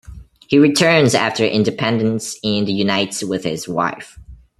He returns after independence and unites with his wife.